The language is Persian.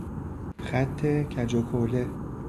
خط کج و کوله